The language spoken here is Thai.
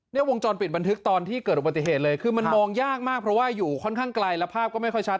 วงจรปิดบันทึกตอนที่เกิดอุบัติเหตุเลยคือมันมองยากมากเพราะว่าอยู่ค่อนข้างไกลแล้วภาพก็ไม่ค่อยชัด